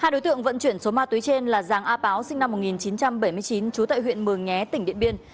hai đối tượng vận chuyển số ma túy trên là giàng a páo sinh năm một nghìn chín trăm bảy mươi chín trú tại huyện mường nhé tỉnh điện biên